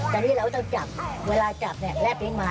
ตอนนี้เราต้องจับเวลาจับเนี่ยแลบลิ้นมา